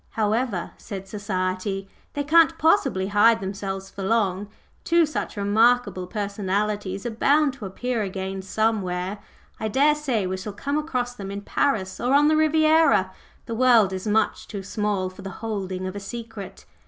"However," said Society, "they can't possibly hide themselves for long. Two such remarkable personalities are bound to appear again somewhere. I daresay we shall come across them in Paris or on the Riviera. The world is much too small for the holding of a secret."